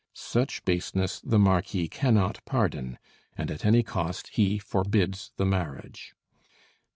Such baseness the Marquis cannot pardon, and at any cost he forbids the marriage.